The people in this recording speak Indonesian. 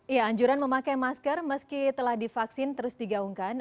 iya anjuran memakai masker meski telah divaksin terus digaungkan